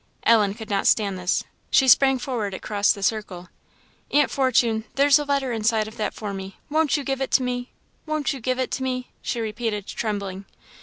Ellen could not stand this; she sprang forward across the circle. "Aunt Fortune, there's a letter inside of that for me won't you give it to me? won't you give it to me?" she repeated, trembling.